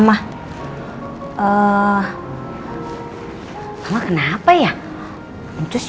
mama kenapa yang jus